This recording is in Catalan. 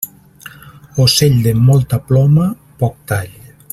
Ocell de molta ploma, poc tall.